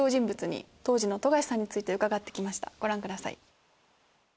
ご覧ください。